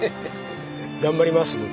頑張ります僕。